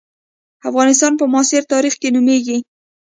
افغانستان په معاصر تاریخ کې نومېږي.